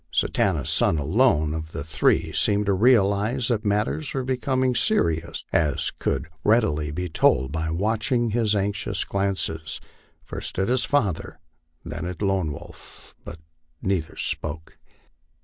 Satanta's son alone of the three seemed to realize that matters were becoming serious, as could readily be told by watching his anxious glances, first at his father, then at Lone Wolf; but neither spoke.